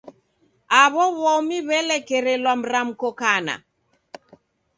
Aw'o w'omi w'elekerelwa mramko kana.